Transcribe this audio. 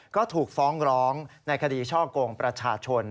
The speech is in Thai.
ก็ถูกฟ้องร้องในคดีช่อกงประชาชน